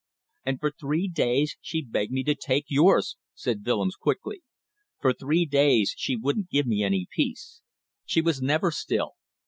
"And for three days she begged me to take yours," said Willems quickly. "For three days she wouldn't give me any peace. She was never still.